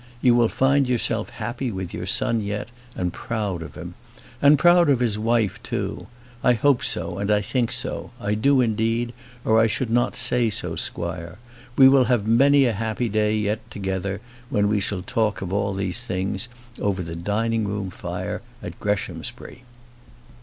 You will find yourself happy with your son yet, and proud of him. And proud of his wife, too. I hope so, and I think so: I do, indeed, or I should not say so, squire; we will have many a happy day yet together, when we shall talk of all these things over the dining room fire at Greshamsbury."